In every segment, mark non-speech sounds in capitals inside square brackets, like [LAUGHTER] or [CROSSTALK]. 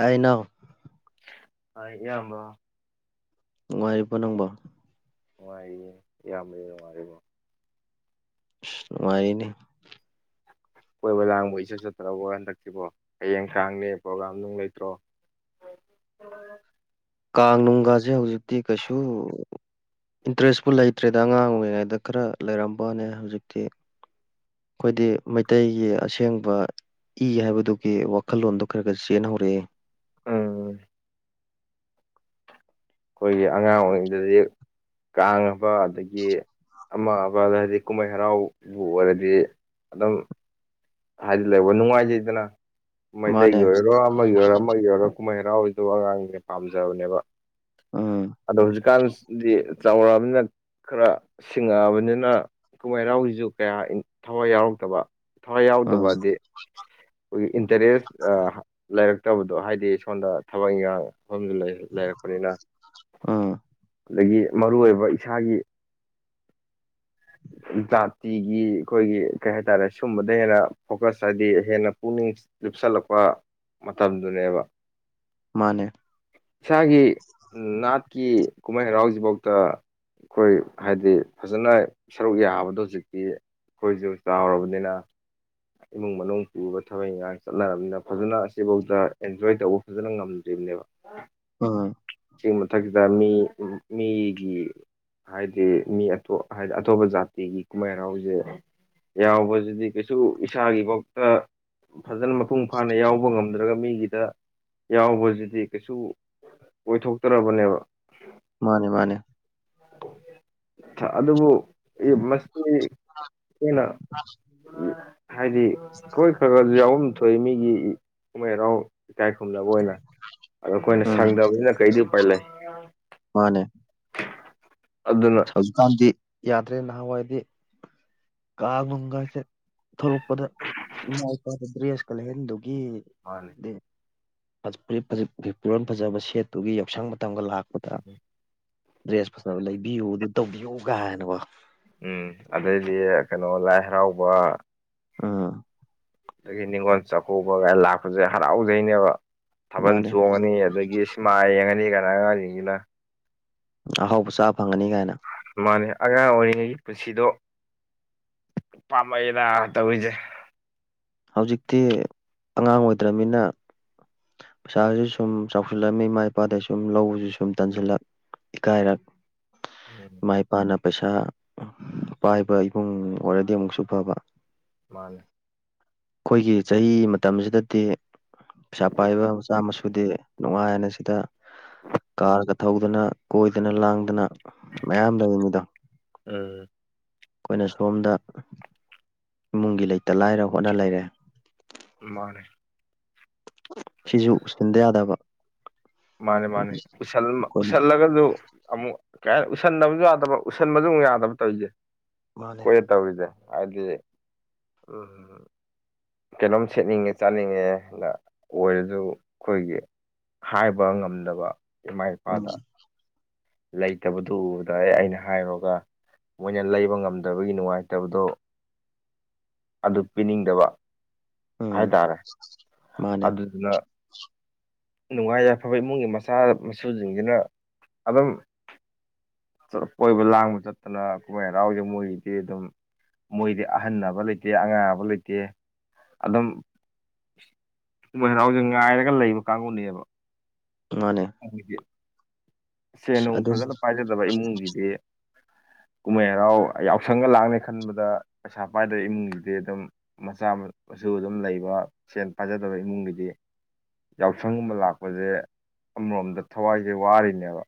ꯑꯩꯅ ꯍ ꯏꯌꯥꯝꯕ ꯅꯨꯡꯉꯥꯏꯔꯤꯕꯣ ꯅꯪꯕꯣ ꯅꯨꯡꯉꯥꯏꯔꯤꯌꯦ ꯏꯌꯥꯝꯕꯗꯤ ꯅꯨꯡꯉꯥꯏꯔꯤꯕꯣ ꯅꯨꯡꯉꯥꯏꯅꯦ ꯀꯣꯏꯕ ꯂꯥꯡꯕꯒ ꯏꯆꯠ ꯆꯠꯇ꯭ꯔꯕꯣ ꯍꯟꯗꯛꯇꯤꯕꯣ ꯍꯌꯦꯡ ꯀꯥꯡꯅꯦ ꯄ꯭ꯔꯣꯒꯥꯥꯝ ꯅꯨꯡ ꯂꯩꯇ꯭ꯔꯣ꯫ ꯀꯥꯡ ꯅꯨꯡꯒꯥꯖꯦ ꯍꯧꯖꯤꯛꯇꯤ ꯀꯩꯁꯨ ꯏꯟꯇꯔꯦꯁꯄꯨ ꯂꯩꯇ꯭ꯔꯦꯗ ꯑꯉꯥꯡ ꯑꯣꯏꯔꯤꯉꯩꯗ ꯈꯔ ꯂꯩꯔꯝꯕꯅꯦ ꯍꯧꯖꯤꯛꯇꯤ ꯑꯈꯣꯏꯗꯤ ꯃꯥꯩꯇꯩꯒꯤ ꯑꯁꯦꯡꯕ ꯏ ꯍꯥꯏꯕꯗꯨꯒꯤ ꯋꯥꯈꯜꯂꯣꯟꯗꯣ ꯈꯔ ꯈꯔ ꯆꯦꯟꯍꯧꯔꯛꯑꯦ ꯎꯝ ꯑꯩꯈꯣꯏꯒꯤ ꯑꯉꯥꯡ ꯑꯣꯏꯔꯤꯉꯩꯗꯗꯤ ꯀꯥꯡꯉꯕ ꯑꯗꯒꯤ ꯑꯃ ꯑꯃꯥ ꯍꯏꯗꯤ ꯀꯨꯝꯍꯩ ꯍꯔꯥꯎꯕꯨ ꯑꯣꯏꯔꯗꯤ ꯑꯗꯨꯝ ꯍꯥꯏꯗꯤ ꯂꯩꯕ ꯅꯨꯡꯉꯥꯏꯖꯩꯗꯅ ꯃꯩꯇꯩꯒꯤ ꯃꯥꯅꯦ ꯑꯣꯏꯔꯣ ꯑꯃꯒꯤ ꯑꯣꯏꯔꯣ ꯑꯃꯒꯤ ꯑꯣꯏꯔꯣ ꯀꯨꯝꯍꯩ ꯍꯔꯥꯎꯗꯣ ꯑꯉꯥꯡꯅꯦ ꯄꯥꯝꯖꯕꯅꯦꯕ ꯎꯝ ꯑꯗꯣ ꯍꯧꯖꯤꯛꯀꯥꯟꯗꯤ ꯆꯥꯎꯔꯛꯑꯃꯤꯅ ꯈꯔ ꯁꯤꯡꯉꯛꯑꯕꯅꯤꯅ ꯀꯨꯝꯍꯩꯔꯥꯎꯁꯤꯁꯨ ꯀꯌꯥ ꯊꯋꯥꯏ ꯌꯥꯎꯔꯛꯇꯕ ꯊꯋꯥꯏ ꯎꯝ ꯌꯥꯎꯗꯕꯗꯤ ꯑꯩꯈꯣꯏꯒꯤ ꯏꯟꯇꯔꯦꯁ ꯑ ꯂꯩꯔꯛꯇꯕꯗꯣ ꯍꯥꯏꯗꯤ ꯁꯣꯝꯗ ꯊꯕꯛ ꯏꯟꯈꯥꯡ ꯃꯐꯝꯗ ꯂꯩ ꯂꯩꯔꯛꯄꯅꯤꯅ ꯎꯝ ꯑꯗꯒꯤ ꯃꯔꯨ ꯑꯣꯏꯕ ꯏꯁꯥꯒꯤ [INAUDIBLE] ꯖꯥꯇꯤꯒꯤ ꯑꯩꯈꯣꯏꯒꯤ ꯀꯩ ꯍꯥꯏꯇꯥꯔꯦ ꯁꯨꯝꯕꯗ ꯍꯦꯟꯅ ꯐꯣꯀꯁ ꯍꯥꯏꯗꯤ ꯍꯦꯟꯅ ꯄꯨꯛꯅꯤꯡ ꯂꯨꯞꯁꯜꯂꯛꯄ ꯃꯇꯝꯗꯨꯅꯦꯕ ꯃꯥꯅꯦ ꯏꯁꯥꯒꯤ ꯅꯥꯠꯀꯤ ꯀꯨꯝꯍꯩ ꯍꯔꯥꯎꯖꯤꯕꯣꯛꯇ ꯑꯈꯣꯏ ꯍꯥꯏꯗꯤ ꯐꯖꯅ ꯁꯔꯨꯛ ꯌꯥꯕꯗꯣ ꯍꯨꯖꯤꯛꯇꯤ ꯑꯩꯈꯣꯏꯁꯨ ꯆꯧꯔꯕꯅꯤꯅ ꯏꯃꯨꯡ ꯃꯅꯨꯡ ꯄꯨꯕ ꯊꯕꯛ ꯏꯪꯈꯥꯡ ꯆꯠꯅꯔꯕꯅꯤꯅ ꯐꯖꯅ ꯑꯁꯤꯐꯥꯎꯗ ꯑꯦꯟꯖꯣꯏ ꯇꯧꯕ ꯐꯖꯅ ꯉꯝꯗ꯭ꯔꯤꯕꯅꯦꯕ ꯑꯪ ꯁꯤꯒꯤ ꯃꯊꯛꯁꯤꯗ ꯃꯤ ꯃꯤꯒꯤ ꯍꯥꯏꯗꯤ ꯃꯤ ꯑꯇꯣꯞ ꯍꯥꯏꯗꯤ ꯑꯇꯣꯞꯄ ꯖꯥꯇꯤꯒꯤ ꯀꯨꯝꯍꯩ ꯍꯔꯥꯎꯖꯦ ꯌꯥꯎꯕꯁꯤꯗꯤ ꯀꯩꯁꯨ ꯏꯁꯥꯒꯤ ꯕꯣꯛꯇ ꯐꯖꯅ ꯃꯄꯨꯡ ꯐꯥꯅ ꯌꯥꯎꯕ ꯉꯝ ꯉꯝꯗ꯭ꯔꯥꯒ ꯃꯤꯒꯤꯗ ꯌꯥꯎꯕꯁꯤꯗꯤ ꯀꯩꯁꯨ ꯑꯣꯏꯊꯣꯛꯇꯕꯅꯦꯕ ꯃꯥꯅꯦ ꯃꯥꯅꯦ [UNINTELLIGIBLE] ꯑꯗꯨꯕꯨ ꯃꯁꯤ ꯍꯦꯟꯅꯥ ꯍꯥꯏꯗꯤ ꯍꯣꯏ ꯈꯔ ꯈꯔꯁꯨ ꯌꯥꯎꯐꯝ ꯊꯣꯛꯏ ꯃꯤꯒꯤ ꯀꯨꯝꯍꯩ ꯍꯔꯥꯎ ꯏꯀꯥꯏ ꯈꯨꯝꯅꯕ ꯑꯣꯏꯅ ꯑꯗꯣ ꯑꯩꯈꯣꯏꯅ ꯎꯝ ꯁꯪꯗꯕꯁꯤꯅ ꯀꯩꯗꯤ ꯎꯄꯥꯏ ꯂꯩ ꯃꯥꯅꯦ ꯑꯗꯨꯅꯥ ꯍꯧꯖꯤꯛꯀꯥꯟꯗꯤ ꯌꯥꯗ꯭ꯔꯦ ꯅꯍꯥꯟꯋꯥꯏꯗꯤ ꯀꯥꯡꯒꯨꯝꯒꯥꯁꯦ ꯊꯣꯛꯂꯛꯄꯗ ꯏꯃꯥ ꯏꯄꯥꯗ ꯗ꯭ꯔꯦꯁꯀ ꯂꯩꯍꯟꯗꯨꯒꯤ ꯃꯅꯦ ꯐꯨꯔꯤꯠ ꯐꯤꯔꯣꯟ ꯐꯖꯕ ꯁꯦꯠꯇꯨꯒꯤ ꯌꯧꯁꯪ ꯃꯇꯝꯒ ꯂꯥꯛ [UNINTELLIGIBLE] ꯗ꯭ꯔꯦꯁ ꯐꯖꯕ ꯂꯩꯕꯤꯌꯨ ꯑꯗꯨ ꯇꯧꯕꯤꯌꯨ ꯒꯍꯥꯏꯅꯒꯣ ꯎꯝ ꯑꯗꯩꯗꯤ ꯀꯩꯅꯣ ꯂꯥꯏ ꯍꯔꯥꯎꯕ ꯑ ꯑꯗꯒꯤ ꯅꯤꯉꯣꯜ ꯆꯥꯛꯀꯧꯕ ꯀꯥꯏꯅ ꯂꯥꯛꯄꯁꯦ ꯍꯔꯥꯎꯖꯩꯅꯦꯕ ꯊꯥꯕꯜ ꯃꯥꯅꯦ ꯆꯣꯡꯉꯅꯤ ꯑꯗꯒꯤ ꯃꯥꯏ ꯌꯦꯡꯉꯅꯤ ꯀꯅꯥ ꯑꯉꯥꯡꯖꯤꯡꯖꯤꯅ ꯑꯍꯥꯎꯕ ꯆꯥ ꯐꯪꯒꯅꯤ ꯀꯥꯏꯅ ꯃꯥꯅꯦ ꯑꯉꯥꯡ ꯑꯣꯏꯔꯤꯉꯩꯒꯤ ꯄꯨꯟꯁꯤꯗꯣ ꯄꯥꯝꯃꯦꯗ ꯇꯧꯔꯤꯁꯦ ꯍꯧꯖꯤꯛꯇꯤ ꯑꯉꯥꯡ ꯑꯣꯏꯗ꯭ꯔꯃꯤꯅ ꯄꯩꯁꯥꯁꯨ ꯁꯨꯝ ꯆꯥꯎꯁꯤꯜꯂꯝ ꯏꯃꯥ ꯏꯄꯥꯗ ꯁꯨꯝ ꯂꯧꯕꯁꯨ ꯁꯨꯝ ꯇꯟꯁꯤꯜꯂꯛ ꯏꯀꯥꯏꯔꯛ ꯎꯝ ꯏꯃꯥ ꯏꯄꯥꯅ ꯄꯩꯁꯥ ꯄꯥꯏꯕ ꯏꯕꯨꯡ ꯑꯣꯏꯔꯗꯤ ꯑꯃꯨꯛꯁꯨ ꯐꯕ ꯃꯥꯅꯦ꯫ ꯑꯩꯈꯣꯏꯒꯤ ꯆꯍꯤ ꯃꯇꯝꯁꯤꯗꯗꯤ ꯄꯩꯁꯥ ꯄꯥꯏꯕ ꯃꯆꯥ ꯃꯁꯨꯗꯤ ꯅꯨꯡꯉꯥꯏꯑꯅ ꯁꯤꯗ ꯀꯥꯔꯒ ꯊꯧꯗꯅ ꯀꯣꯏꯗꯅ ꯂꯥꯡꯗꯅ ꯃꯌꯥꯝ ꯂꯩꯔꯤꯅꯤꯗꯣ ꯎꯝ ꯑꯩꯈꯣꯏꯅ ꯁꯣꯝꯗ ꯏꯃꯨꯡꯒꯤ ꯂꯩꯇ ꯂꯥꯏꯔ ꯍꯣꯠꯅ ꯂꯩꯔꯦ ꯃꯥꯅꯦ ꯁꯤꯖꯨ ꯎꯁꯟꯗ ꯌꯥꯗꯕ꯫ ꯃꯥꯅꯦ ꯃꯥꯅꯦꯁ ꯑꯩꯈꯣꯏꯅ ꯎꯁꯜꯂꯒꯁꯨ ꯑꯃꯨꯛ ꯀꯩ ꯍꯥꯏ ꯎꯁꯟꯗꯕꯁꯨ ꯌꯥꯗꯕ ꯎꯁꯟꯕꯁꯨꯨ ꯌꯥꯗꯕ ꯇꯧꯔꯤꯁꯦ ꯃꯥꯅꯦ ꯀ ꯇꯧꯔꯤꯗ ꯍꯥꯏꯗꯤ ꯎꯝ ꯀꯩꯅꯣꯝ ꯁꯦꯠꯅꯤꯡꯉꯦ ꯆꯥꯠꯅꯤꯡꯉꯦꯅ ꯑꯣꯏꯔꯁꯨ ꯑꯩꯈꯣꯏꯒꯤ ꯍꯥꯏꯕ ꯉꯝꯗꯕ ꯏꯃꯥꯏ ꯎꯝ ꯂꯩꯇꯕꯗꯨꯗ ꯎꯕꯗ ꯑ ꯑꯩꯅ ꯍꯥꯏꯔꯣꯒ ꯃꯣꯏꯅ ꯂꯩꯕ ꯉꯝꯗꯕꯒꯤ ꯅꯨꯡꯉꯥꯏꯇꯕꯗꯣ ꯑꯗꯨ ꯄꯤꯅꯤꯡꯗꯕ ꯎꯝ ꯍꯥꯏꯇꯥꯔꯦ ꯃꯥꯅꯦ ꯑꯗꯨꯗꯨꯅ ꯅꯨꯡꯉꯥꯏ ꯌꯥꯏꯐꯕ ꯏꯃꯨꯡꯒꯤ ꯃꯆꯥ ꯃꯁꯨꯁꯤꯡꯁꯤꯅ ꯑꯗꯨꯝ ꯀꯣꯏꯕ ꯂꯥꯡꯕ ꯆꯠꯇꯅ ꯀꯨꯝꯍꯩ ꯍꯔꯥꯎꯁꯦ ꯃꯣꯏꯒꯤꯗꯤ ꯑꯗꯨꯝ ꯃꯣꯏꯗꯤ ꯑꯍꯟ ꯑꯕ ꯂꯩꯇꯦ ꯑꯉꯥꯡ ꯑꯕ ꯂꯩꯇꯦ ꯑꯗꯨꯝ ꯣꯏ ꯍꯔꯥꯎꯁꯦ ꯉꯥꯏꯔꯒ ꯂꯩꯕ ꯀꯥꯡꯕꯨꯅꯦꯕ ꯃꯥꯟꯅꯦ ꯑꯈꯣꯏꯗꯤ ꯁꯦꯟ ꯅꯨꯡ ꯑꯗꯨ ꯐꯖꯅ ꯄꯥꯏꯖꯗꯕ ꯏꯃꯨꯡꯒꯤꯗꯤ ꯀꯨꯝꯍꯩ ꯍꯔꯥꯎ ꯌꯥꯎꯁꯪꯒ ꯂꯥꯛꯅꯤ ꯈꯟꯕꯗ ꯄꯩꯁꯥ ꯄꯥꯏꯗꯕ ꯏꯃꯨꯡꯒꯤꯗꯤ ꯑꯗꯨꯝ ꯃꯆꯥ ꯃꯁꯨ ꯑꯗꯨꯝ ꯂꯩꯕ ꯁꯦꯜ ꯄꯥꯏꯖꯗꯕ ꯏꯃꯨꯡꯒꯤꯗꯤ ꯌꯥꯎꯁꯪꯒꯨꯝ ꯑꯃ ꯂꯥꯛꯄꯁꯦ ꯑꯃꯔꯣꯝꯗ ꯊꯋꯥꯏꯁꯦ ꯋꯥꯔꯤꯅꯦꯕ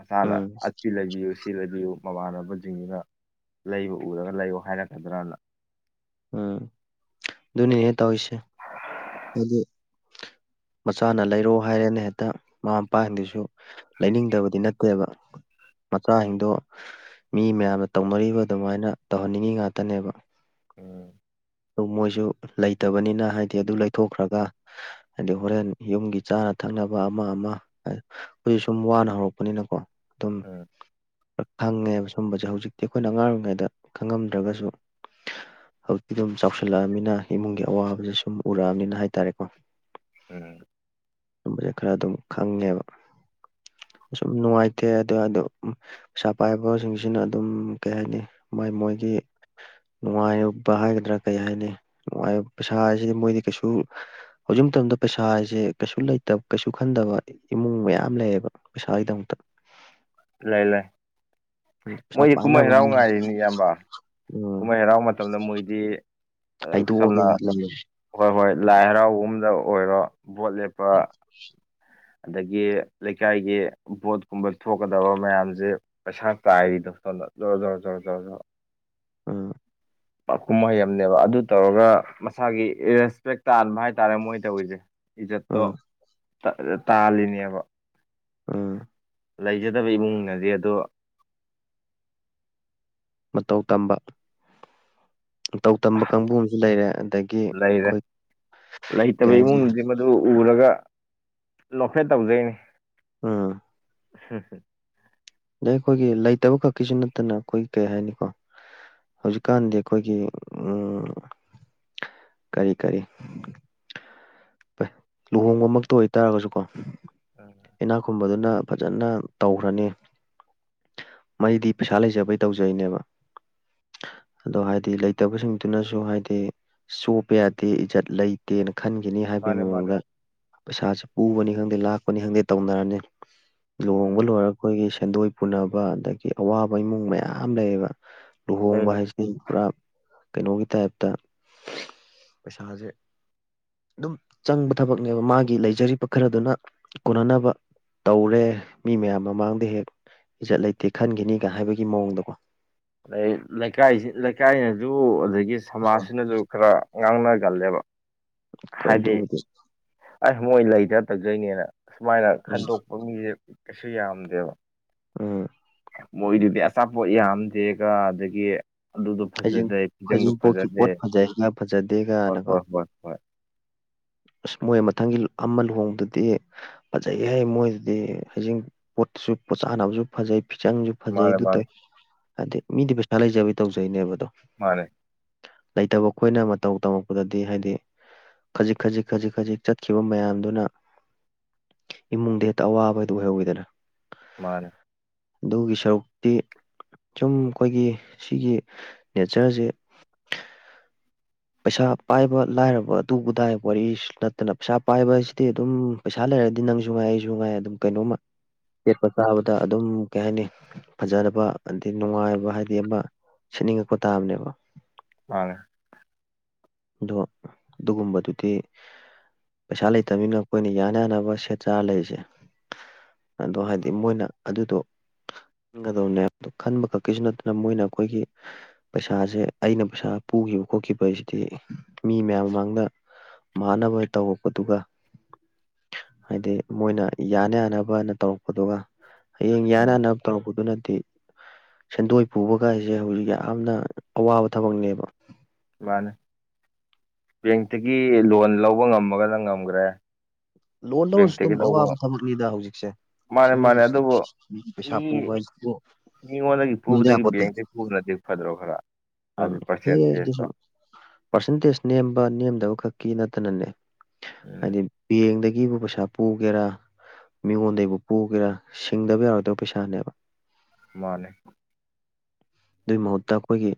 ꯑꯁꯥꯅꯅ ꯎꯝ ꯑꯤ ꯂꯒ ꯁꯤ ꯂꯩꯕꯤꯌꯨ ꯃꯃꯥꯟꯅꯕꯁꯤꯡꯁꯤꯅ ꯂꯩꯕ ꯎꯔꯒ ꯂꯩꯌꯣ ꯍꯥꯏꯔꯛꯀꯗ꯭ꯔꯅ ꯎꯝ ꯑꯗꯨꯅꯤ ꯌꯦ ꯇꯧꯏꯁꯦ ꯑꯗꯨ ꯃꯆꯥꯅ ꯂꯩꯔꯣ ꯍꯥꯏꯌꯦꯅ ꯍꯦꯛꯇ ꯃꯃꯥ ꯃꯄꯥꯍꯤꯟꯗꯁꯨ ꯂꯩꯅꯤꯡꯗꯕꯗꯤ ꯅꯠꯇꯦꯕ ꯃꯆꯥꯁꯤꯡꯗꯣ ꯃꯤ ꯃꯌꯥꯝꯅ ꯇꯧꯅꯔꯤꯕ ꯑꯗꯨꯃꯥꯏꯅ ꯇꯧꯍꯟꯅꯤꯡꯉꯤ ꯉꯥꯛꯇꯅꯦꯕ ꯎꯝ ꯑꯗꯨ ꯃꯣꯏꯁꯨ ꯂꯩꯇꯕꯅꯤꯅ ꯍꯥꯏꯗꯤ ꯑꯗꯨ ꯂꯩꯊꯣꯛꯈ꯭ꯔꯒ ꯑꯗꯩ ꯍꯣꯔꯦꯟ ꯌꯨꯝꯒꯤ ꯆꯥꯅ ꯊꯛꯅꯕ ꯑꯃ ꯑꯃ ꯑꯈꯣꯏ ꯁꯨꯝ ꯋꯥꯅ ꯍꯧꯔꯛꯄꯅꯤꯅꯀꯣ ꯑꯗꯨꯝ ꯎꯝ ꯈꯪꯉꯦꯕ ꯁꯨꯝꯕꯁꯦ ꯍꯧꯖꯤꯛꯇꯤ ꯑꯩꯈꯣꯏꯅ ꯑꯉꯥꯡ ꯑꯣꯏꯔꯤꯉꯩꯗ ꯈꯪꯉꯝꯗ꯭ꯔꯒꯁꯨ ꯍꯧꯖꯤꯛꯇꯤ ꯑꯗꯨꯝ ꯆꯥꯎꯁꯤꯜꯂꯛꯑꯃꯤꯅ ꯏꯃꯨꯡꯒꯤ ꯑꯋꯥꯕꯖꯦ ꯁꯨꯝ ꯎꯔꯛꯑꯕꯅꯤꯅ ꯍꯥꯏꯇꯥꯔꯦꯀꯣ ꯎꯝ [UNINTELLIGIBLE] ꯕꯖꯦ ꯈꯔ ꯑꯗꯨꯝ ꯈꯪꯉꯦꯕ꯫ ꯁꯨꯝ ꯅꯨꯡꯉꯥꯏꯇꯦ ꯑꯗꯣ ꯑꯗꯣ ꯄꯩꯁꯥ ꯄꯥꯏꯕꯁꯤꯡꯁꯤꯅ ꯑꯗꯨꯝ ꯀꯩ ꯍꯥꯏꯅꯤ ꯃꯥꯏ ꯃꯣꯏꯒꯤ ꯅꯨꯡꯉꯥꯏ ꯍꯥꯏꯒꯗ꯭ꯔꯥ ꯀꯩ ꯍꯥꯏꯅꯤ ꯅꯨꯡꯉꯥꯏ ꯄꯩꯁꯥ ꯍꯥꯏꯖꯤꯗꯤ ꯃꯣꯏꯗꯤ ꯀꯩꯁꯨ ꯍꯧꯖꯤꯛ ꯃꯇꯝꯗ ꯄꯩꯁꯥꯖꯦ ꯀꯩꯁꯨ ꯂꯩꯇ ꯀꯩꯁꯨ ꯈꯟꯗꯕ ꯏꯃꯨꯡ ꯃꯌꯥꯝ ꯂꯩꯌꯦꯕ ꯄꯩꯁꯥꯒꯤꯗꯃꯛꯇ ꯂꯩ ꯂꯩ ꯎꯝ ꯄꯩꯁꯥ ꯃꯣꯏꯗꯤ ꯀꯨꯝꯍꯩ ꯄꯥꯅꯕ ꯍꯔꯥꯎ ꯉꯥꯏꯔꯤꯅꯤ ꯏꯌꯥꯝꯕ ꯎꯝ ꯀꯨꯝꯍꯩ ꯍꯔꯥꯎ ꯃꯇꯝ ꯃꯇꯝꯗ ꯃꯣꯏꯗꯤ ꯍꯥꯏꯗꯣꯛꯑꯒꯦ ꯁꯝꯅ ꯂꯩꯌꯦ ꯍꯣꯏ ꯍꯣꯏ ꯂꯥꯏ ꯍꯔꯥꯎꯕꯒꯨꯝꯗ ꯑꯣꯏꯔꯣ ꯚꯣꯠ ꯂꯦꯞꯄ [UNINTELLIGIBLE] ꯑꯗꯒꯤ ꯂꯩꯀꯥꯏꯒꯤ ꯚꯣꯠꯀꯨꯝꯕ ꯊꯣꯛꯀꯗꯕ ꯃꯌꯥꯝꯖꯦ ꯄꯩꯁꯥ ꯇꯥꯏꯔꯤꯗꯣ ꯁꯣꯟꯗ ꯖꯣꯔ ꯖꯣꯔ ꯖꯣꯔ ꯖꯣꯔ ꯖꯣ ꯎꯝ ꯄꯥꯛ ꯀꯨꯝꯍꯩ ꯑꯃꯅꯦꯕ ꯑꯗꯨ ꯇꯧꯔꯒ ꯃꯁꯥꯒꯤ ꯔꯦꯁꯄꯦꯛ ꯇꯥꯟꯕ ꯍꯥꯏꯇꯥꯔꯦ ꯃꯣꯏ ꯇꯧꯔꯤꯁꯦ ꯏꯖꯠꯇꯣ ꯎꯝ ꯇꯥꯜꯂꯤꯅꯦꯕ ꯑꯥ ꯂꯩꯖꯗꯕ ꯏꯃꯨꯡꯅꯗꯤ ꯑꯗꯣ ꯃꯇꯧ ꯇꯝꯕ ꯃꯇꯧ ꯇꯝꯕ ꯀꯥꯡꯕꯨ ꯑꯃꯁꯨ ꯂꯩꯔꯦ ꯑꯗꯒꯤ ꯂꯩꯔꯦ ꯑꯩꯈꯣꯏ ꯀꯩ ꯍꯥꯏꯅꯤ ꯑꯗꯨ ꯎꯔꯒ ꯅꯣꯛꯐꯦꯠ ꯇꯧꯖꯩꯅꯤ꯫ ꯑꯥ [UNINTELLIGIBLE] ꯑꯗꯩ ꯑꯩꯈꯣꯏꯒꯤ ꯂꯩꯇꯕ ꯈꯛꯀꯤꯁꯨ ꯅꯠꯇꯅ ꯑꯩꯈꯣꯏꯒꯤ ꯀꯩ ꯍꯥꯏꯅꯤꯀꯣ ꯍꯧꯖꯤꯛꯀꯥꯟꯗꯤ ꯑꯩꯈꯣꯏꯒꯤ ꯎꯝ ꯀꯔꯤ ꯀꯔꯤ ꯩ ꯂꯨꯍꯣꯡꯕꯃꯛꯇ ꯑꯣꯏꯇꯥꯥꯔꯒꯁꯨ ꯀꯣ ꯎꯝ ꯏꯅꯥꯛ ꯈꯨꯨꯟꯕꯗꯨꯅ ꯐꯖꯅ ꯇꯧꯈ꯭ꯔꯅꯤ ꯃꯣꯢꯗꯤ ꯄꯩꯁꯥ ꯂꯩꯖꯕꯩ ꯇꯧꯖꯩꯅꯦꯕ ꯑꯗꯣ ꯍꯥꯏꯗꯤ ꯂꯩꯇꯕꯁꯤꯡꯗꯨꯅꯁꯨ ꯍꯥꯏꯗꯤ ꯆꯣꯞꯄ ꯌꯥꯗꯦ ꯏꯖꯠ ꯂꯩ ꯀꯦꯅ ꯈꯟꯒꯤꯅꯤ ꯍꯥꯏꯕꯒꯤ ꯃꯥꯅꯦ ꯃꯥꯅꯦ ꯃꯑꯣꯡꯗ ꯄꯩꯁꯥꯥꯁꯦ ꯄꯨꯕꯅꯤ ꯈꯪꯗꯦ ꯂꯥꯛꯄꯅꯤ ꯈꯪꯗꯦ ꯇꯧꯅꯔꯅꯤ ꯂꯨꯍꯣꯡꯕ ꯎꯝ ꯂꯣꯏꯔꯒ ꯑꯩꯈꯣꯏꯒꯤ ꯁꯦꯟꯗꯣꯏ ꯄꯨꯅꯕ ꯑꯗꯒꯤ ꯑꯋꯥꯕ ꯏꯃꯨꯡ ꯃꯌꯥꯝ ꯂꯩꯌꯦꯕ ꯂꯩ ꯂꯨꯍꯣꯡꯕ ꯂꯩ ꯍꯥꯏꯁꯤ ꯑꯩ ꯄꯨꯔꯥ ꯀꯩꯅꯣꯒꯤ ꯇꯥꯏꯞꯇ ꯄꯩꯁꯥꯖꯦ ꯑꯗꯨꯝ ꯆꯪꯕ ꯊꯕꯛꯅꯦꯕ ꯃꯥꯒꯤ ꯂꯩꯖꯔꯤꯕ ꯈꯔꯗꯨꯅ ꯀꯣꯟꯅꯅꯕ ꯇꯧꯔꯦ ꯃꯤ ꯃꯌꯥꯝ ꯃꯃꯥꯡꯗ ꯍꯦꯛ ꯏꯖꯠ ꯂꯩꯇꯦ ꯈꯟꯒꯤꯅꯤꯒ ꯍꯥꯏꯕꯒꯤ ꯃꯑꯣꯡꯗꯀꯣ ꯑꯗꯩ ꯂꯩꯀꯥꯏꯁꯤ ꯂꯩꯀꯥꯏꯅꯁꯨ ꯑꯗꯒꯤ ꯁꯃꯥꯖꯁꯤꯅꯁꯨ ꯈꯔ ꯉꯥꯡꯅꯒꯜꯂꯦꯕ ꯑꯩꯈꯣꯏ ꯍꯥꯏꯗꯤ ꯑꯗꯨꯕꯨꯗꯤ ꯑꯩ ꯃꯣꯏ ꯂꯩꯗ ꯇꯧꯖꯩꯅꯦ ꯁꯨꯃꯥꯏꯅ ꯎꯝ ꯈꯟꯗꯣꯛꯄ ꯃꯤꯖꯦ ꯀꯩꯁꯨ ꯌꯥꯝꯗꯦꯕ ꯎꯝ꯫ ꯃꯣꯏꯗꯨꯗꯤ ꯑꯆꯥꯄꯣꯠ ꯌꯥꯝꯗꯦꯒ ꯑꯗꯒꯤ ꯑꯗꯨꯗꯣ ꯍꯩꯖꯤꯡ ꯐꯖꯗꯦ ꯐꯤꯖꯪꯗꯣ ꯍꯩꯖꯤꯡꯄꯣꯠꯀꯤ ꯐꯖꯗꯦ ꯄꯣꯠ ꯐꯖꯩꯒ ꯍꯣꯏ ꯐꯖꯗꯦꯒꯅꯀꯣ ꯍꯣꯏ ꯍꯣꯏ ꯍꯣꯏ ꯑꯁ ꯃꯣꯏ ꯃꯊꯪꯒꯤ ꯑꯃ ꯂꯨꯍꯣꯡꯕꯗꯨꯗꯤ ꯐꯖꯩ ꯍꯦ ꯃꯣꯏꯗꯨꯗꯤ ꯍꯩꯖꯤꯡ ꯄꯣꯠꯁꯨ ꯆꯥꯅꯕꯁꯨ ꯐꯖꯩ ꯐꯤꯆꯪꯁꯨ ꯐꯖꯩ ꯃꯥꯅꯦ ꯑꯗꯨ ꯃꯥꯅꯦ ꯇꯧꯏ ꯍꯥꯏꯗꯤ ꯃꯤꯗꯤ ꯄꯩꯁꯥ ꯂꯩꯖꯕꯩ ꯇꯧꯖꯩꯅꯦꯕꯗꯣ ꯃꯥꯅꯦ ꯂꯩꯇꯕ ꯑꯩꯈꯣꯏꯅ ꯃꯇꯧ ꯇꯝꯃꯛꯄꯗꯥꯗꯤ ꯍꯥꯏꯗꯤ ꯈꯖꯤꯛ ꯈꯖꯤꯛ ꯈꯖꯤꯛ ꯈꯖꯤꯛ ꯆꯠꯈꯤꯕ ꯃꯌꯥꯝꯗꯨꯅ ꯏꯃꯨꯡꯗꯥ ꯍꯦꯛꯇꯥ ꯑꯋꯥꯕꯗꯨ ꯑꯣꯏꯍꯧꯋꯤꯗꯅ ꯃꯥꯅꯦ ꯑꯗꯨꯒꯤ ꯁꯔꯨꯛꯇꯤ ꯁꯨꯝ ꯑꯩꯈꯣꯏꯒꯤ ꯁꯤꯒꯤ ꯅꯦꯆꯔꯖꯦ ꯄꯩꯁꯥ ꯄꯥꯏꯕ ꯂꯥꯏꯔꯕ ꯑꯗꯨꯕꯨꯗꯥꯏ ꯋꯥꯔꯤ ꯅꯠꯇꯅ ꯄꯩꯁꯥ ꯄꯥꯏꯕ ꯍꯥꯏꯁꯤꯗꯤ ꯑꯗꯨꯝ ꯄꯩꯁꯥ ꯂꯩꯔꯗꯤ ꯅꯪꯖꯨ ꯉꯥꯏ ꯑꯩꯖꯨ ꯉꯥꯏ ꯑꯗꯨꯝ ꯀꯩꯅꯣꯝꯃ ꯁꯦꯠꯄ ꯆꯥꯕꯗꯥ ꯑꯗꯨꯝ ꯀꯩ ꯍꯥꯏꯅꯤ ꯐꯖꯔꯕ ꯑꯗꯒꯤ ꯅꯨꯡꯉꯥꯏꯕ ꯍꯥꯏꯗꯤ ꯑꯃ ꯁꯦꯠꯅꯤꯡꯉꯛꯄ ꯇꯥꯕꯅꯦꯕ ꯃꯥꯅꯦ ꯑꯗꯣ ꯑꯗꯨꯒꯨꯝꯕꯗꯨꯗꯤ ꯄꯩꯁꯥ ꯂꯩꯇꯕꯅꯤꯅ ꯑꯩꯈꯣꯏꯅ ꯌꯥꯅ ꯌꯥꯅꯕ ꯁꯦꯠ ꯆꯥꯔ ꯂꯩꯔꯤꯁꯦ ꯑꯗꯣ ꯍꯥꯏꯗꯤ ꯃꯣꯏꯅ ꯑꯗꯨꯗꯣ ꯈꯟꯒꯗꯧꯅꯦ ꯑꯗꯨ ꯈꯟꯕ ꯈꯛꯇꯩꯖꯨ ꯅꯠꯇꯅ ꯃꯣꯏꯅ ꯑꯩꯈꯣꯏꯒꯤ ꯄꯩꯁꯥꯁꯦ ꯑꯩꯅ ꯄꯩꯁꯥ ꯄꯨꯒꯤꯕ ꯈꯣꯠꯈꯤꯕ ꯍꯥꯏꯁꯤꯗꯤ ꯃꯤ ꯃꯌꯥꯝ ꯃꯃꯥꯡꯗ ꯃꯥꯟꯅꯕ ꯇꯧꯔꯛꯄꯗꯨꯒ ꯍꯥꯏꯗꯤ ꯃꯣꯏꯅ ꯌꯥꯅ ꯌꯥꯅꯕꯅ ꯇꯧꯔꯛꯄꯗꯨꯒ ꯍꯌꯦꯡ ꯌꯥꯅ ꯎꯝ ꯌꯥꯅꯕ ꯇꯧꯔꯛꯄꯗꯨꯅꯗꯤ ꯁꯦꯟꯗꯣꯏ ꯄꯨꯕꯒꯥꯏꯖꯦ ꯍꯧꯖꯤꯛ ꯌꯥꯝꯅ ꯑꯋꯥꯕ ꯊꯕꯛꯅꯦꯕ ꯃꯥꯅꯤ ꯕꯦꯡꯇꯥꯒꯤ ꯂꯣꯟ ꯂꯧꯕ ꯉꯝꯃꯒꯥꯅ ꯉꯝꯒ꯭ꯔꯦ ꯂꯣꯟ ꯂꯧꯔꯁꯨ ꯑꯗꯨꯝ ꯑꯋꯥꯕ ꯊꯕꯛꯅꯤꯗꯥ ꯍꯧꯖꯤꯛꯁꯦ ꯁꯤ ꯃꯥꯅꯦ ꯃꯥꯅꯦ ꯃꯤꯒꯤꯁꯤ ꯑꯗꯨꯕꯨ ꯃꯤꯒꯤ ꯄꯩꯁꯥ ꯄꯨꯕ ꯍꯥꯏꯁꯤꯕꯨ ꯃꯤꯉꯣꯟꯗꯥꯒꯤ ꯄꯨꯕꯗꯥꯒꯤ ꯕꯦꯡꯇꯩ ꯄꯨꯕꯅꯗꯤ ꯐꯗ꯭ꯔꯣ ꯈꯔ ꯎꯝ ꯑꯗꯨ ꯐꯩꯌꯦ ꯄꯥꯔꯁꯦꯟꯇꯦꯖꯇꯣ ꯑꯗꯨꯁꯨ ꯄꯥꯔꯁꯦꯟꯇꯦꯖ ꯅꯦꯝꯕ ꯅꯦꯝꯗꯥꯕ ꯈꯛꯀꯤ ꯅꯠꯇꯅꯅꯦ ꯎꯝ ꯍꯥꯏꯗꯤ ꯕꯦꯡꯗꯥꯒꯤꯕꯨ ꯄꯩꯁꯥ ꯄꯨꯒꯦꯔꯥ ꯃꯤꯉꯣꯟꯗꯩꯕꯨ ꯄꯨꯒꯦꯔꯥ ꯁꯤꯡꯗꯥꯕ ꯌꯥꯔꯣꯏꯗꯥꯕ ꯄꯩꯁꯥꯅꯦꯕ ꯃꯥꯅꯦ ꯑꯗꯨꯏ ꯃꯍꯨꯠꯇꯥ ꯑꯩꯈꯣꯏꯒꯤ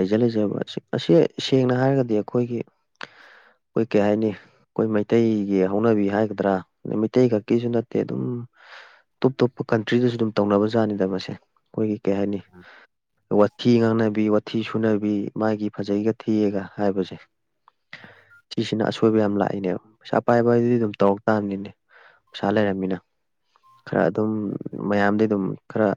ꯂꯩꯖ ꯂꯩꯖꯕ ꯑꯁꯤ ꯑꯁꯤ ꯁꯦꯡꯅ ꯍꯥꯏꯔꯒꯥꯗꯤ ꯑꯩꯈꯣꯏꯒꯤ ꯑꯩꯈꯣꯏ ꯀꯩ ꯍꯥꯏꯅꯤ ꯑꯩꯈꯣꯏ ꯃꯩꯇꯩꯒꯤ ꯍꯧꯅꯕꯤ ꯍꯥꯏꯒꯗ꯭ꯔꯥ ꯃꯩꯇꯩ ꯈꯛꯀꯤꯁꯨ ꯅꯠꯇꯦ ꯑꯗꯨꯝ ꯇꯣꯞ ꯇꯣꯞꯄ ꯀꯟꯇ꯭ꯔꯤꯗꯥꯁꯨ ꯑꯗꯨꯝ ꯇꯧꯅꯕ ꯖꯥꯠꯅꯤꯗ ꯃꯁꯦ ꯑꯩꯈꯣꯏꯒꯤ ꯀꯩ ꯍꯥꯏꯅꯤ ꯋꯥꯊꯤ ꯉꯥꯡꯅꯕꯤ ꯋꯥꯊꯤ ꯁꯨꯅꯕꯤ ꯃꯥꯒꯤ ꯐꯖꯩꯒꯥ ꯊꯤꯌꯦꯒꯥ ꯍꯥꯏꯕꯁꯦ ꯁꯤꯁꯤꯅ ꯑꯁꯣꯏꯕ ꯌꯥꯝ ꯂꯥꯛꯏꯅꯦꯕ ꯄꯩꯁꯥ ꯄꯥꯏꯕ ꯍꯥꯏꯗꯨꯗꯤ ꯑꯗꯨꯝ ꯇꯧꯔꯛ ꯇꯥꯕꯅꯤꯅꯦ ꯄꯩꯁꯥ ꯂꯩꯔꯝꯃꯤꯅ ꯈꯔ ꯑꯗꯨꯝ ꯃꯌꯥꯝꯗꯩ ꯑꯗꯨꯝ ꯈꯔ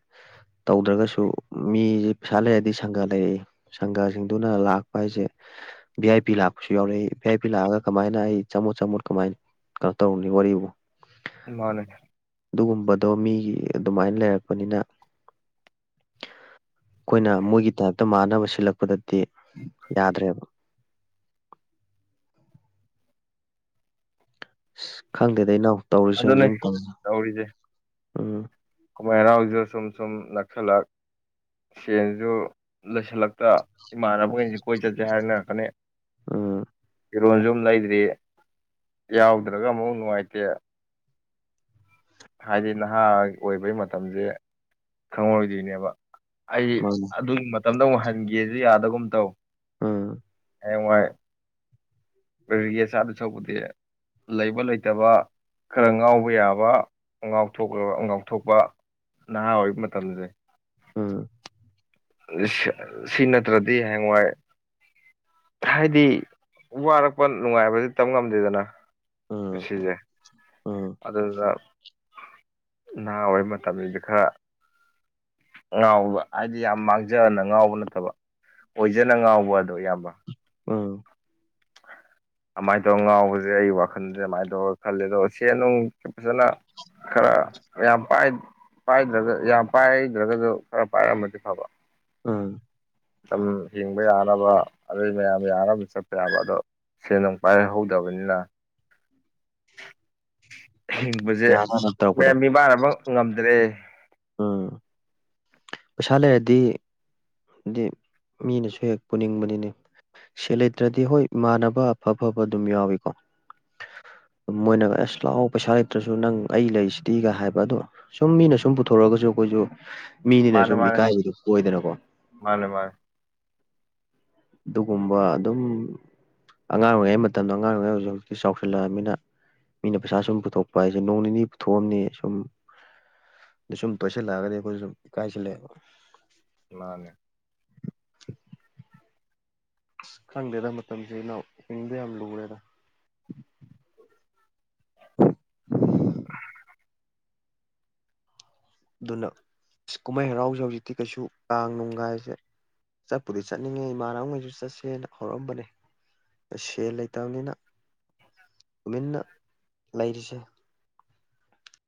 ꯇꯧꯗ꯭ꯔꯒꯥꯁꯨ ꯃꯤꯁꯦ ꯄꯩꯁꯥ ꯂꯩꯔꯗꯤ ꯁꯪꯒꯥ ꯂꯩꯔꯛꯏ ꯁꯪꯒꯥꯁꯤꯡꯗꯨꯅ ꯂꯥꯛꯄ ꯍꯥꯏꯁꯦ ꯚꯤ ꯑꯥꯏ ꯄꯤ ꯂꯥꯛꯄꯁꯨ ꯌꯥꯎꯔꯛꯏ ꯚꯤ ꯑꯥꯏ ꯄꯤ ꯂꯥꯛꯑꯒꯥ ꯀꯃꯥꯏꯅ ꯑꯩ ꯆꯝꯃꯣꯠ ꯆꯝꯃꯣꯠ ꯀꯃꯥꯏꯅ ꯀꯥꯅꯣ ꯇꯧꯔꯨꯅꯤ ꯋꯥꯔꯤꯕꯨ ꯃꯥꯅꯦ ꯑꯗꯨꯒꯨꯝꯕꯗꯣ ꯃꯤꯒꯤ ꯑꯗꯨꯃꯥꯏꯅ ꯂꯩꯔꯛꯄꯅꯤꯅ ꯑꯩꯈꯣꯏꯅ ꯃꯣꯏꯒꯤ ꯇꯥꯏꯞꯇꯥ ꯃꯥꯟꯅꯕ ꯁꯤꯜꯂꯛꯄꯗꯥꯗꯤ ꯌꯥꯗ꯭ꯔꯦꯕ ꯏꯁ ꯈꯪꯗꯦꯗ ꯏꯅꯥꯎ ꯇꯧꯔꯤꯁꯦ ꯑꯗꯨꯅꯦ ꯍꯧꯖꯤꯛ ꯃꯇꯝ ꯎꯝ ꯀꯨꯝꯃꯩ ꯍꯔꯥꯎꯖꯤꯅ ꯁꯨꯝ ꯁꯨꯝ ꯅꯛꯁꯜꯂꯛ ꯁꯦꯟꯖꯨ ꯂꯩꯁꯤꯜꯂꯛꯇꯥ ꯏꯃꯥꯟꯅꯕꯉꯩ ꯀꯣꯏ ꯆꯠꯁꯦ ꯍꯥꯏꯅꯔꯛꯀꯥꯅꯤ ꯎꯝ ꯐꯤꯔꯣꯟꯖꯨꯝ ꯂꯩꯗ꯭ꯔꯤ ꯌꯥꯎꯗ꯭ꯔꯒꯥ ꯑꯃꯨꯛ ꯅꯨꯡꯉꯥꯏꯇꯦ ꯍꯥꯏꯗꯤ ꯅꯍꯥ ꯑꯣꯏꯕꯩ ꯃꯇꯝꯖꯦ ꯈꯪꯉꯧꯔꯣꯏꯗꯣꯏꯅꯦꯕ ꯑꯩ ꯃꯥꯅꯤ ꯑꯗꯨꯒꯤ ꯃꯇꯝꯗꯥ ꯑꯃꯨꯛ ꯍꯟꯒꯦꯖꯨ ꯌꯥꯗꯒꯨꯝ ꯇꯧ ꯎꯝ ꯍꯌꯦꯡꯋꯥꯏ ꯔꯤꯒꯦꯠ ꯆꯥꯗꯨ ꯁꯔꯨꯛꯄꯨꯗꯤ ꯂꯩꯕ ꯂꯩꯇꯕ ꯈꯔ ꯉꯥꯎꯕ ꯌꯥꯕ ꯉꯥꯎꯊꯣꯛ ꯉꯥꯎꯊꯣꯛꯄ ꯅꯍꯥ ꯑꯣꯏꯕ ꯃꯇꯝꯗꯗꯤ ꯎꯝ ꯁꯤ ꯅꯠꯇ꯭ꯔꯗꯤ ꯍꯌꯦꯡꯋꯥꯏ ꯍꯥꯏꯗꯤ ꯋꯥꯔꯛꯄ ꯅꯨꯡꯉꯥꯏꯕꯗꯤ ꯇꯕ ꯉꯝꯗꯦꯗꯅ ꯎꯝ ꯉꯁꯤꯁꯦ ꯎꯝ ꯑꯗꯨꯗꯨꯅ ꯅꯍꯥ ꯑꯣꯏꯔꯤ ꯃꯇꯝꯗꯤ ꯈꯔ ꯉꯥꯎꯕ ꯍꯥꯏꯗꯤ ꯌꯥꯝ ꯃꯥꯡꯖꯅ ꯉꯥꯎꯕ ꯅꯠꯇꯕ ꯑꯣꯏꯖꯅ ꯉꯥꯎꯕ ꯑꯗꯣ ꯏꯌꯥꯝꯕ ꯎꯝ ꯑꯃꯥꯏꯅ ꯇꯧꯔꯒꯥ ꯉꯥꯎꯕꯖꯦ ꯑꯩ ꯋꯥꯈꯟꯗꯥ ꯑꯃꯥꯏꯅ ꯇꯧꯔꯒꯥ ꯈꯜꯂꯦ ꯑꯗꯣ ꯁꯦꯟꯅꯨꯡ ꯐꯖꯅ ꯈꯔ ꯌꯥꯝ ꯄꯥꯏ ꯄꯥꯏꯗ꯭ꯔꯒꯥ ꯌꯥꯝ ꯄꯥꯏꯗ꯭ꯔꯒꯁꯨ ꯈꯔ ꯄꯥꯏꯔꯝꯃꯗꯤ ꯐꯕ ꯑꯝ ꯇꯝ ꯍꯤꯡꯕ ꯌꯥꯅꯕ ꯑꯗꯨꯩ ꯃꯌꯥꯝ ꯌꯥꯅꯕꯁꯨ ꯆꯠꯄ ꯌꯥꯕ ꯑꯗꯣ ꯁꯦꯟ ꯅꯨꯡ ꯄꯥꯏꯍꯧꯗꯕꯅꯤꯅ [INAUDIBLE] ꯍꯤꯡꯕꯁ꯫ꯖꯦ ꯌꯥꯅꯕ ꯇꯧꯔꯛꯄꯗꯣ ꯃꯌꯥꯝ ꯃꯤꯃꯥꯟꯅꯕ ꯉꯝꯗ꯭ꯔꯦ ꯎꯝ ꯄꯩꯁꯥ ꯂꯩꯔꯗꯤ ꯍꯥꯏꯗꯤ ꯃꯤꯅꯁꯨ ꯍꯦꯛ ꯄꯨꯅꯤꯡꯕꯅꯤꯅꯦ ꯁꯦꯜ ꯂꯩꯇ꯭ꯔꯗꯤ ꯍꯣꯏ ꯃꯥꯟꯅꯕ ꯑꯐ ꯑꯐꯕ ꯑꯗꯨꯝ ꯌꯥꯎꯏꯀꯣ ꯃꯣꯏꯅꯒ ꯑꯁ ꯂꯥꯛꯑꯣ ꯄꯩꯁꯥ ꯂꯩꯇ꯭ꯔꯁꯨ ꯅꯪ ꯑꯩ ꯂꯩꯔꯤꯁꯤꯗꯤꯒ ꯍꯥꯏꯕ ꯑꯗꯣ ꯁꯨꯝ ꯃꯤꯅ ꯁꯨꯝ ꯄꯨꯊꯣꯔꯛꯒꯖꯨ ꯑꯩꯈꯣꯏꯁꯨ ꯃꯤꯅꯤꯅ ꯃꯥꯅꯦ ꯁꯨꯝ ꯃꯥꯅꯦ ꯏꯀꯥꯏꯕꯗꯨ ꯑꯣꯏꯗꯅꯀꯣ ꯃꯥꯅꯦ ꯃꯥꯅꯦ ꯑꯗꯨꯒꯨꯝꯕ ꯑꯗꯨꯝ ꯑꯉꯥꯡ ꯑꯣꯏꯔꯤꯉꯩ ꯃꯇꯝꯗ ꯑꯉꯥꯡ ꯑꯣꯏꯔꯤꯉꯩ ꯍꯧꯖꯤꯛ ꯍꯧꯖꯤꯛꯇꯤ ꯆꯥꯎꯁꯤꯜꯂꯛꯑꯕꯅꯤꯅ ꯃꯤꯅ ꯄꯩꯁꯥ ꯁꯨꯝ ꯄꯨꯊꯣꯛꯄ ꯍꯥꯏꯁꯦ ꯅꯣꯡ ꯅꯤꯅꯤ ꯄꯨꯊꯣꯛꯑꯝꯅꯤ ꯁꯨꯝ ꯑ ꯁꯨꯝ ꯇꯣꯏꯁꯤꯜꯂꯛꯑꯒꯗꯤ ꯑꯈꯣꯏ ꯁꯨꯝ ꯏꯀꯥꯏꯁꯤꯜꯂꯛꯑꯦꯕ ꯃꯥꯅꯦ ꯑꯁ ꯈꯪꯗꯦꯗ ꯃꯇꯝꯁꯤ ꯏꯅꯥꯎ ꯍꯤꯡꯕ ꯌꯥꯝ ꯂꯨꯔꯦꯗ ꯑꯗꯨꯅ ꯀꯨꯝꯍꯩ ꯍꯔꯥꯎꯁꯦ ꯍꯧꯖꯤꯛꯇꯤ ꯀꯩꯁꯨ ꯀꯥꯡ ꯅꯨꯡꯒꯥꯏꯁꯦ ꯆꯠꯄꯨꯗꯤ ꯆꯠꯅꯤꯡꯉꯦ ꯏꯃꯥꯟꯅꯕꯈꯩꯁꯨ ꯆꯠꯁꯦꯅ ꯍꯧꯔꯝꯕꯅꯦ ꯁꯦꯜ ꯂꯩꯇꯕꯅꯤꯅ ꯇꯨꯃꯤꯟꯅ ꯂꯩꯔꯤꯁꯦ